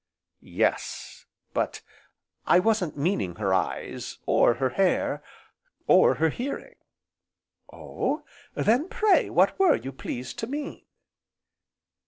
"Yes, but I wasn't meaning her eyes, or her hair, or her hearing." "Oh, then pray what were you pleased to mean?"